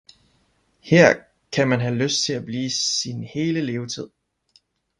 Her kan man have lyst til at blive sin hele levetid!